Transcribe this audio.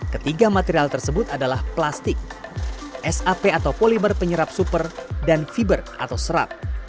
ketiga material tersebut adalah plastik sap atau polimer penyerap super dan fiber atau serat